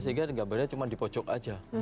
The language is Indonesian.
sehingga gambarnya cuma di pocok aja